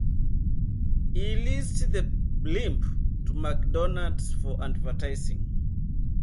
He leased the blimp to McDonald's for advertising.